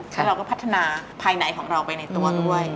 แล้วเราก็พัฒนาภายในของเราไปในตัวด้วย